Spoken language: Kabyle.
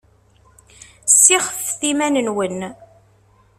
Ssixfefet iman-nwen!